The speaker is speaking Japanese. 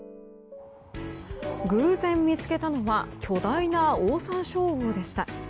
偶然見つけたのは巨大なオオサンショウウオでした。